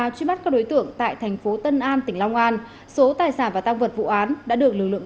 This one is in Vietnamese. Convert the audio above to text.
nhóm đối tượng tại thành phố tân an tỉnh long an số tài sản và tác vật vụ án đã được lực lượng